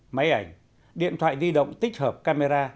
máy ảnh điện thoại di động tích hợp camera